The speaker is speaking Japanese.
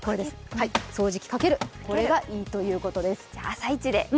掃除機かける、これがいいということです。